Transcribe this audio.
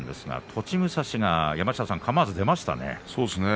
栃武蔵がかまわず出ましたね。